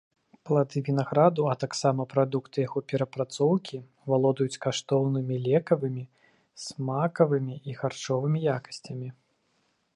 Плады вінаграду, а таксама прадукты яго перапрацоўкі валодаюць каштоўнымі лекавымі, смакавымі і харчовымі якасцямі.